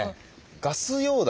ガス溶断。